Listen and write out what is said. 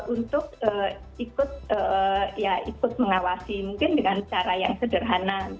untuk ikut ya ikut mengawasi mungkin dengan cara yang sederhana misalnya